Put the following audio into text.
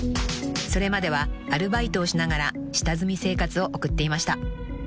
［それまではアルバイトをしながら下積み生活を送っていました］